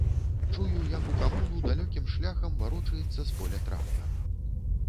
Чую, як у камуну далёкім шляхам варочаецца з поля трактар.